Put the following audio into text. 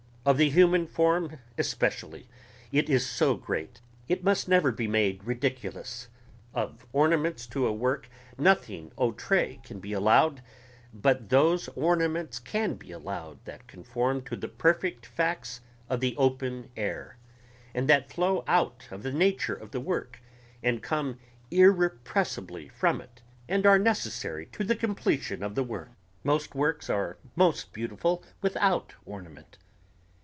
Of the human form especially, it is so great it must never be made ridiculous. Of ornaments to a work nothing outré can be allowed ... but those ornaments can be allowed that conform to the perfect facts of the open air, and that flow out of the nature of the work and come irrepressibly from it and are necessary to the completion of the work. Most works are most beautiful without ornament